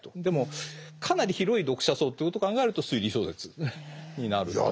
でもかなり広い読者層ということを考えると推理小説になる。